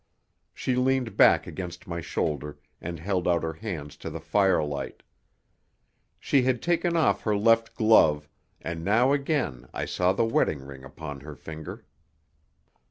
She leaned back against my shoulder and held out her hands to the fire light. She had taken off her left glove, and now again I saw the wedding ring upon her finger.